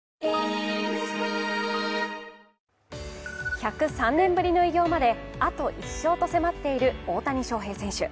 １０３年ぶりの偉業まであと１勝と迫っている大谷翔平選手。